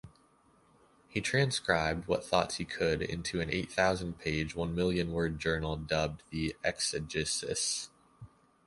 He transcribed what thoughts he could into an eight-thousand-page, one-million-word journal dubbed the "Exegesis".